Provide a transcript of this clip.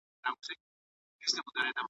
راست اوسه په لویه لار کي ناست اوسه